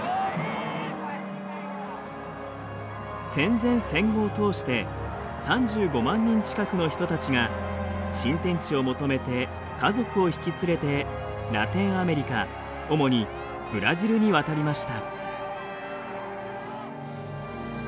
戦前戦後を通して３５万人近くの人たちが新天地を求めて家族を引き連れてラテンアメリカ主にブラジルに渡りました。